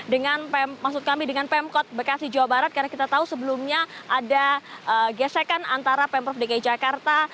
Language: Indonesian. dengan pemkot bekasi jawa barat karena kita tahu sebelumnya ada gesekan antara pemkot dki jakarta